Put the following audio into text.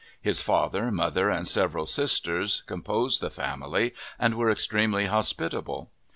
His father, mother, and several sisters, composed the family, and were extremely hospitable.